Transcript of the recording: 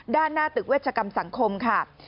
ด้านหน้าตึกเวชกรรมสังคมค่ะ